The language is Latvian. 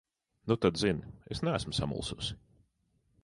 Nu tad zini: es neesmu samulsusi.